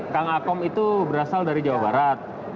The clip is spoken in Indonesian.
kang akom itu berasal dari jawa barat